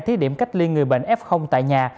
thiết điểm cách ly người bệnh f tại nhà